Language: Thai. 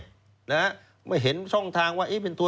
ขดียกฟ้อง๒๕สิงหา